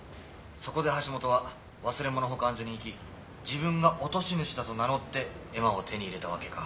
そこで橋本は忘れ物保管所に行き自分が落とし主だと名乗って絵馬を手に入れたわけか。